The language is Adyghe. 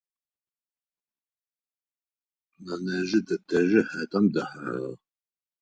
Нэнэжъи тэтэжъи хатэм дэхьагъэх.